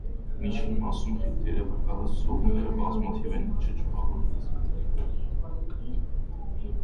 Միջին մասում խիտ տերևակալած ցողունները բազմաթիվ են, չճուղավորված։